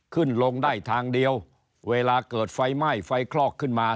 ขึ้นลงได้ทางเดียวเวลาเกิดไฟไหม้ไฟคลอกขึ้นมา